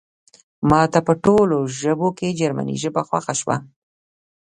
ماته په ټولو ژبو کې جرمني ژبه خوښه شوه